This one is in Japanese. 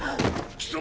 貴様！